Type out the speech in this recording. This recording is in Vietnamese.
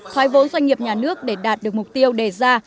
thoái vốn doanh nghiệp nhà nước để đạt được mục tiêu đề ra